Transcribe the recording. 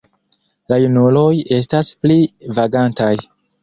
La junuloj estas pli vagantaj.